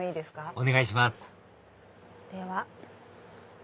お願いしますでは。